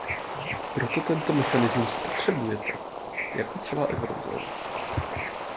Proto tento mechanismus potřebujete, jako celá eurozóna.